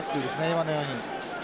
今のように。